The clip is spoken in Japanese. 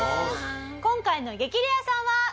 今回の激レアさんは。